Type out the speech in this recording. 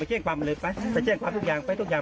ไปเชี่ยงความเลยไปไปเชี่ยงความทุกอย่างไปทุกอย่าง